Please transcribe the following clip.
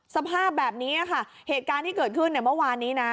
สภาพแบบนี้ค่ะเหตุการณ์ที่เกิดขึ้นเนี่ยเมื่อวานนี้นะ